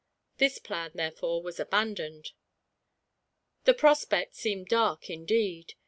This plan, therefore, was abandoned. The prospect seemed dark, indeed.